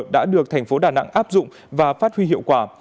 đã được thành phố đà nẵng áp dụng và phát huy hiệu quả